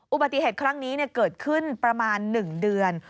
อุบัติเหตุครั้งนี้เกิดขึ้นประมาณ๑เดือน